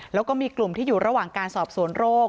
แล้วก็มีกลุ่มที่อยู่ระหว่างการสอบสวนโรค